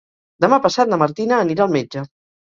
Demà passat na Martina anirà al metge.